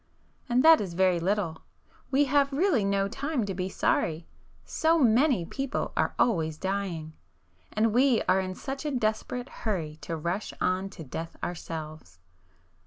And that is very little,—we have really no time to be sorry,—so many people are always dying!—and we are in such a desperate hurry to rush on to death ourselves!